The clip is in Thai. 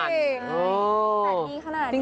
ใครเวลาคงคนนี้